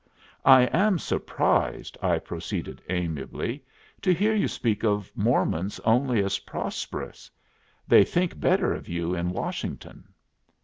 "I am surprised," I proceeded, amiably, "to hear you speak of Mormons only as prosperous. They think better of you in Washington."